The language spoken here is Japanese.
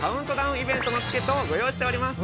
チケットをチケットをご用意しております。